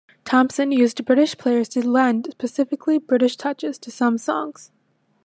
Thompson still used British players to lend specifically British touches to some songs.